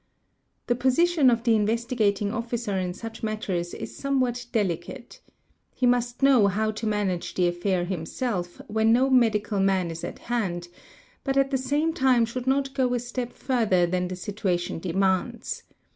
The position of the Investigating Officer in such matters is somewhat delicate. He must know how to manage the affair himself, when no medical man is at hand, but at the same time should not go a step : further than the situation demands.